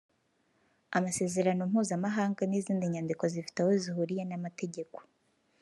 amasezerano mpuzamahanga n’izindi nyandiko zifite aho zihuriye n’amategeko